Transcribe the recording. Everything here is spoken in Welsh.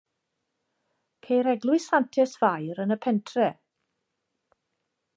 Ceir eglwys Santes Fair yn y pentref.